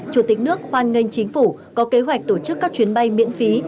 chủ tịch nước hoan nghênh chính phủ có kế hoạch tổ chức các chuyến bay miễn phí